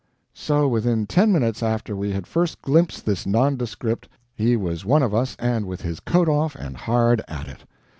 So, within ten minutes after we had first glimpsed this nondescript he was one of us, and with his coat off and hard at it.